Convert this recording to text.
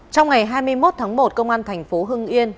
trong ngày hai mươi một tháng một công an thành phố hưng yên